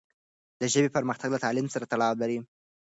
د ژبې پرمختګ له تعلیم سره تړاو لري.